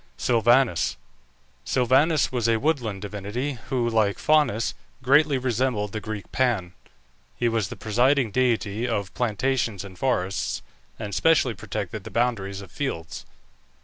SILVANUS. Silvanus was a woodland divinity, who, like Faunus, greatly resembled the Greek Pan. He was the presiding deity of plantations and forests, and specially protected the boundaries of fields.